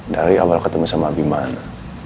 dari awal ketemu sama biman